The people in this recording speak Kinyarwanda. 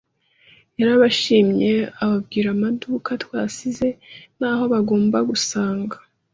yarabashimye ababwira amaduka twasize, n'aho bagomba gusanga